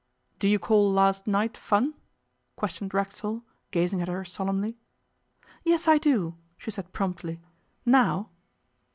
'Do you call last night fun?' questioned Racksole, gazing at her solemnly. 'Yes, I do,' she said promptly. 'Now.